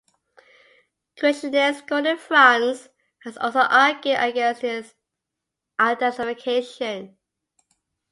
Creationist Gordon Franz has also argued against this identification.